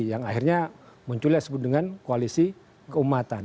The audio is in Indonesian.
yang akhirnya muncul ya sebut dengan koalisi keumatan